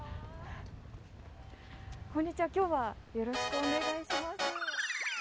こんにちは今日はよろしくお願いします。